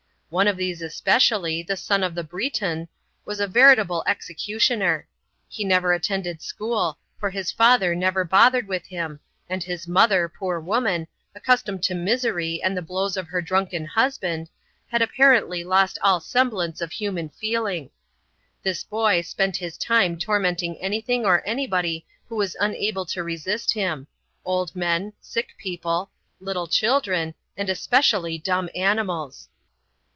One of these especially, the son of the "Breton," was a veritable executioner. He never attended school, for his father never bothered with him, and his mother, poor woman, accustomed to misery and the blows of her drunken husband, had apparently lost all semblance of human feeling. This boy spent his time tormenting anything or anybody who was unable to resist him old men, sick people, little children, and especially dumb animals.